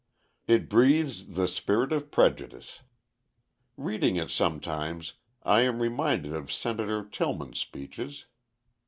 It breathes the spirit of prejudice. Reading it sometimes, I am reminded of Senator Tillman's speeches.